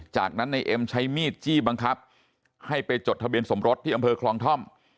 จากนั้นในเอ็มใช้มีดจี้บังคับให้ไปจดทะเบียนสมรสที่อำเภอคลองท่อม